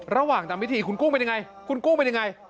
ระหว่างทำพิธีคุณกุ้งเป็นอย่างไร